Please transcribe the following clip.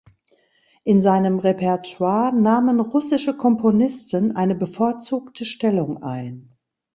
In seinem Repertoire nahmen russische Komponisten eine bevorzugte Stellung ein.